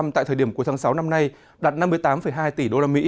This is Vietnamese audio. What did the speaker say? tại thời điểm cuối tháng sáu năm nay đạt năm mươi tám hai tỷ usd